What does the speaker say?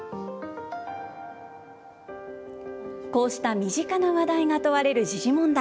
こうした身近な話題が問われる時事問題。